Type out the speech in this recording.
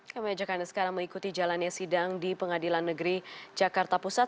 kami ajak anda sekarang mengikuti jalannya sidang di pengadilan negeri jakarta pusat